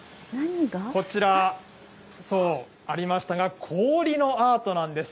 こちら、そう、ありましたが、氷のアートなんです。